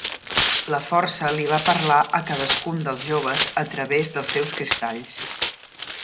La Força li va parlar a cadascun dels joves a través dels seus cristalls.